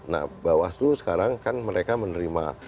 nah bawaslu sekarang kan mereka menerima